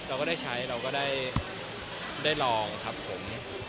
เราก็ได้ใช้เราก็ได้ลองครับผม